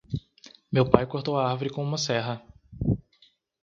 Meu pai cortou a árvore com uma serra.